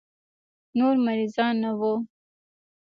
نور مريضان نه وو.